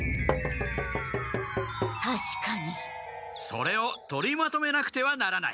それを取りまとめなくてはならない。